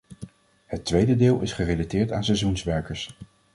Het tweede deel is gerelateerd aan seizoenswerkers.